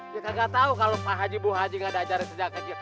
ya kagak tau kalau pak haji bu haji nggak ada ajarin sejak kecil